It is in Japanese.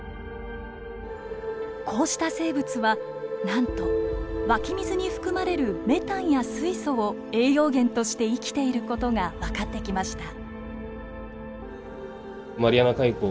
こうした生物はなんと湧き水に含まれるメタンや水素を栄養源として生きている事が分かってきました。